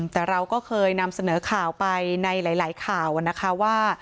แต่เราก็เคยนำเสนอข่าวไปในหลายข่าวนะคะว่า